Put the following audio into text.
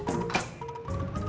apakah poin tersebut